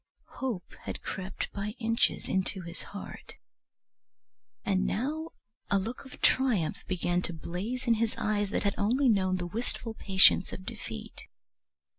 Hope had crept by inches into his heart, and now a look of triumph began to blaze in his eyes that had only known the wistful patience of defeat.